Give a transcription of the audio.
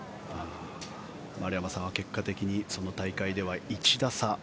丸山さんは結果的にその大会では１打差。